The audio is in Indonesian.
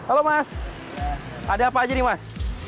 halo mas ada apa aja nih mas